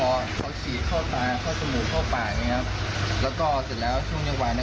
พอเขาฉีดเข้าตาเข้าสมุดเข้าปากนะครับแล้วก็เสร็จแล้วช่วงจังหวานนะ